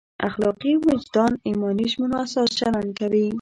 اخلاقي وجدان ایماني ژمنو اساس چلند کوي.